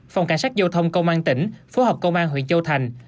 phòng cảnh sát giao thông công an tỉnh phối hợp công an huyện châu thành